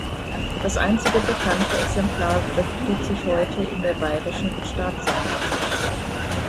Das einzige bekannte Exemplar befindet sich heute in der bayrischen Staatssammlung.